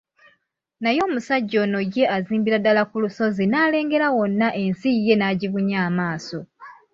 Naye omusajja ono ye azimbira ddala ku lusozi n'alengera wonna ensi ye n'agibunya amaaso.